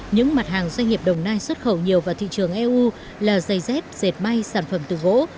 những mặt hàng doanh nghiệp đồng nai xuất khẩu nhiều vào thị trường eu là giày dép dệt may sản phẩm từ gỗ